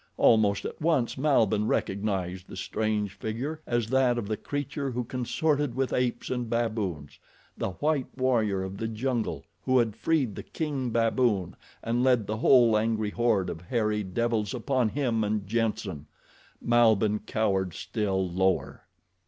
Almost at once Malbihn recognized the strange figure as that of the creature who consorted with apes and baboons—the white warrior of the jungle who had freed the king baboon and led the whole angry horde of hairy devils upon him and Jenssen. Malbihn cowered still lower.